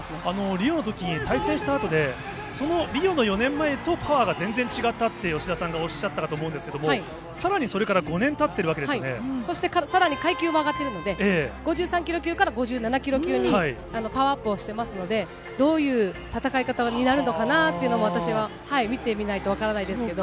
リオのときに、対戦したあとで、そのリオの４年前とパワーが全然違ったって、吉田さんがおっしゃったかと思うんですけれども、さらにそれから５年たってるわけそしてさらに階級も上がってるので、５３キロ級から５７キロ級にパワーアップをしていますので、どういう戦い方になるのかなというのも、私は見てみないと分からないですけど。